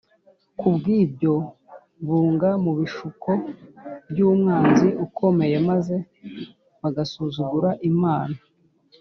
kubw’ibyo, bunga mu bishuko by’umwanzi ukomeye maze bagasuzugura imana